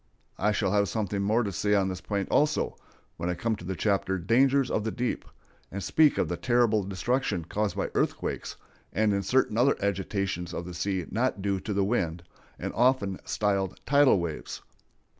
I shall have something more to say on this point, also, when I come to the chapter "Dangers of the Deep," and speak of the terrible destruction caused by earthquakes, and in certain other agitations of the sea not due to the wind, and often styled "tidal waves."